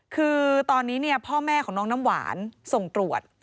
คือตอนนี้พ่อแม่ของน้องน้ำหวานส่งตรวจ